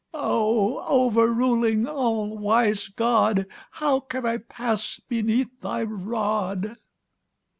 Oh, overruling, All wise God, How can I pass beneath Thy rod!"